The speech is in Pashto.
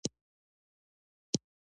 هندوکش د خلکو د خوښې وړ ځای دی.